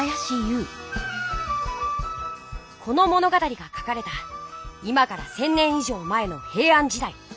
この物語が書かれた今から１，０００年い上前のへいあん時だい。